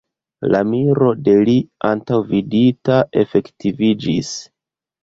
La miro de li antaŭvidita efektiviĝis.